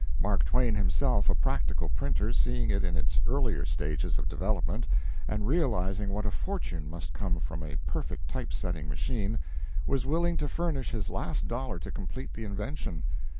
Mark Twain, himself a practical printer, seeing it in its earlier stages of development, and realizing what a fortune must come from a perfect type setting machine, was willing to furnish his last dollar to complete the invention.